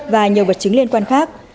và nhiều vật chứng liên quan khác